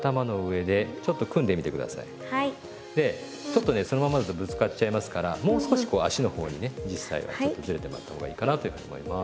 でちょっとねそのままだとぶつかっちゃいますからもう少しこう足の方にね実際はずれてもらった方がいいかなと思います。